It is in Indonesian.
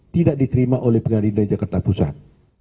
tidak diterima oleh pengadilan jakarta pusat